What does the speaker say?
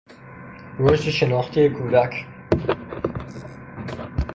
رشد شناختی کودک